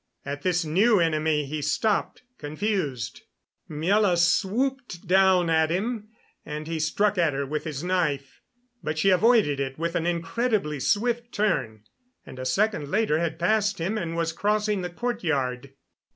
At this new enemy he stopped, confused. Miela swooped down at him, and he struck at her with his knife; but she avoided it with an incredibly swift turn, and a second later had passed him and was crossing the courtyard.